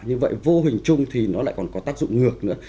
như vậy vô hình chung thì nó lại còn có tác dụng ngược nữa